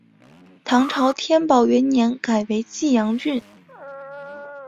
唐朝天宝元年改为济阳郡。